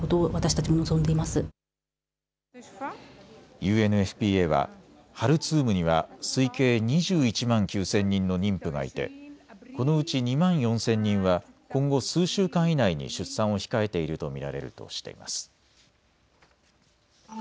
ＵＮＦＰＡはハルツームには推計２１万９０００人の妊婦がいてこのうち２万４０００人は今後数週間以内に出産を控えていると見られるとしています。